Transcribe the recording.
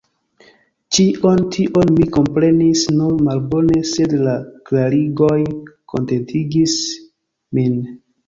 Ĉion tion mi komprenis nur malbone, sed la klarigoj kontentigis min.